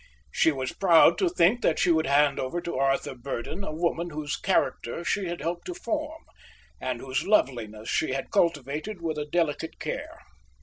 She was proud to think that she would hand over to Arthur Burdon a woman whose character she had helped to form, and whose loveliness she had cultivated with a delicate care.